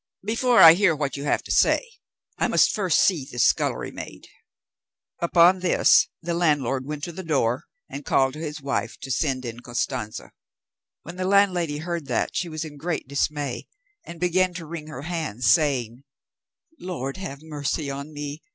"Before I hear what you have to say, I must first see this scullery maid." Upon this the landlord went to the door and called to his wife to send in Costanza, When the landlady heard that, she was in great dismay, and began to wring her hands, saying, "Lord, have mercy on me!